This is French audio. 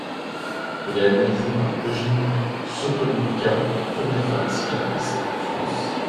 Elle est analysée par Eugénie Sokolnicka, première femme psychanalyste en France.